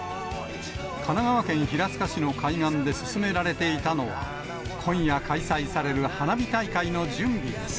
神奈川県平塚市の海岸で進められていたのは、今夜開催される花火大会の準備です。